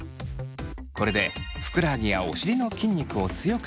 これでふくらはぎやお尻の筋肉を強くします。